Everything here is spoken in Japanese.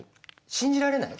信じられない？